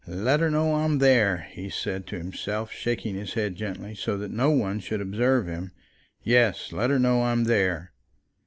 "Let her know I'm there," he said to himself, shaking his head gently, so that no one should observe him; "yes, let her know I'm there."